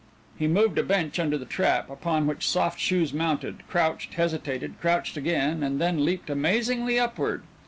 He moved a bench under the trap, upon which Soft Shoes mounted, crouched, hesitated, crouched again, and then leaped amazingly upward.